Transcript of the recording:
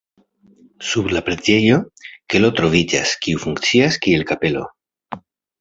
Sub la preĝejo kelo troviĝas, kiu funkcias, kiel kapelo.